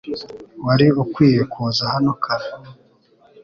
Wari ukwiye kuza hano kare .